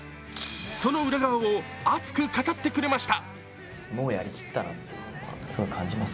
その裏側を熱く語ってくれました。